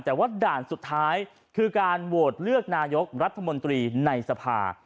แต่ว่าด่านสุดท้ายคือการโหวตเลือกนายกรัฐมนตรีในสภา